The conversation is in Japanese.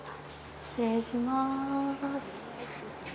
失礼します。